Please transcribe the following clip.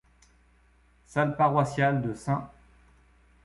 Salle paroissiale de St.